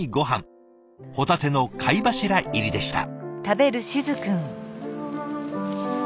ホタテの貝柱入りでした。